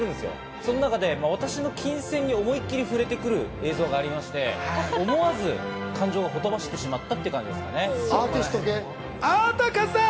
その中で私の琴線に思いっきり触れてくる映像がありまして、思わず感情がほとばしってしまいました。